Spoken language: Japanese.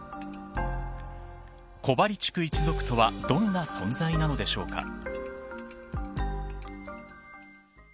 コヴァリチュク一族とはどんな存在なのでしょうか。